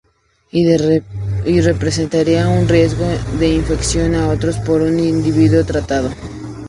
Y representaría un riesgo de infección a otros por un individuo tratado.